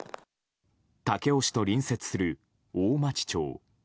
武雄市と隣接する大町町。